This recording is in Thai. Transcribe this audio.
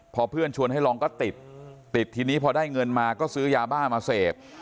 พอเพื่อนชวนให้ลองก็ติดติดทีนี้พอได้เงินมาก็ซื้อยาบ้ามาเสพ